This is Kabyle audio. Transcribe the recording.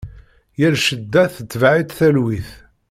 Yal cedda tetbeɛ-itt talwit.